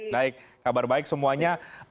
baik kabar baik semuanya